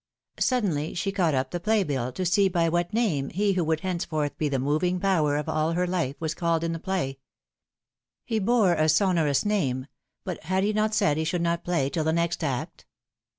Suddenly she caught up the playbill, to see by what name he who would henceforth be the moving power of all her life was called in the play. He bore a sonorous name — but had he not said he should not play till the next act?